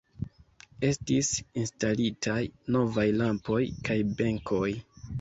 Estis instalitaj novaj lampoj kaj benkoj.